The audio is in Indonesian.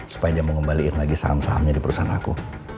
supaya dia mau ngembalikan lagi saham sahamnya di perusahaan aku